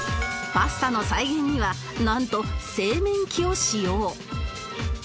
パスタの再現にはなんと製麺機を使用